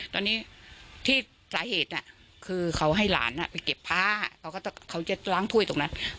ตอนนี้ที่สาเหตุคือเขาให้หลานไปเก็บผ้าเขาจะล้างถ้วยตรงนั้น